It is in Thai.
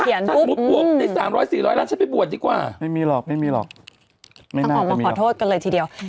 เอาออกมาขอโทษกันเลยทีเดียว